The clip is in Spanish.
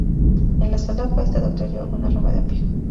En la solapa, este Doctor llevaba una rama de apio.